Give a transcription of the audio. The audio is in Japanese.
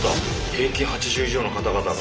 平均８０以上の方々が。